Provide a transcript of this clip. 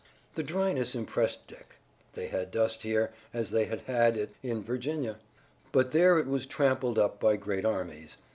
The dryness impressed Dick. They had dust here, as they had had it in Virginia, but there it was trampled up by great armies.